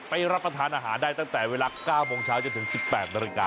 รับประทานอาหารได้ตั้งแต่เวลา๙โมงเช้าจนถึง๑๘นาฬิกา